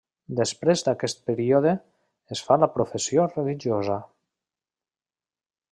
Després d'aquest període, es fa la professió religiosa.